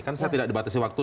kan saya tidak dibatasi waktu